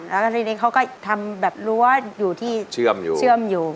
แล้วทีนี้เขาก็ทำแบบรั้วอยู่ที่เชื่อมอยู่